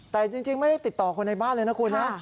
แต่จริงไม่ได้ติดต่อคนในบ้านเลยนะคุณนะ